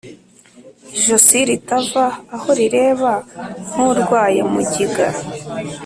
ijosi ritava aho rireba nk'urwaye mugiga!